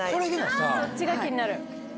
そっちが気になる。